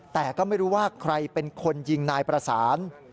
แต่ก็ไม่รู้ว่าใครเป็นคนยิงนายประสาน